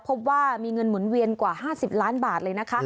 เพราะว่ามีเงินหมุนเวียนกว่า๕๐ล้านบาทเลย